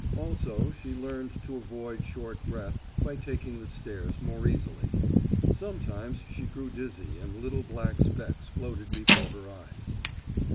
Also she learned to avoid short breath by taking the stairs more easily. Sometimes she grew dizzy and little black specks floated before her eyes.